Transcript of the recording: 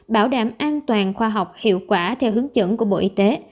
bảo đảm an toàn khoa học hiệu quả theo hướng dẫn của bộ y tế